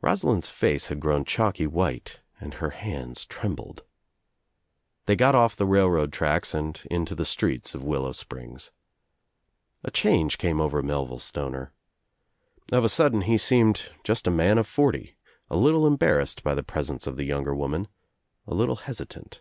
Rosalind's face had grown chalky white and her hands trembled. They got off the railroad tracks and into the streets of Willow Springs. A change came over Melville Stoner. Of a sudden he seemed just a man of forty, a little embarrassed by the presence of the younger woman, a little hesitant.